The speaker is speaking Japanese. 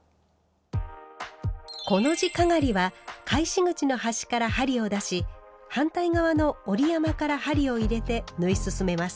コの字かがりは返し口の端から針を出し反対側の折り山から針を入れて縫い進めます。